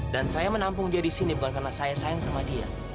dan saya menampung dia disini bukan karena saya sayang sama dia